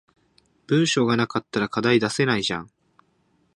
文章が無かったら課題出せないじゃん